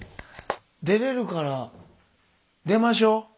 出れるから出ましょう。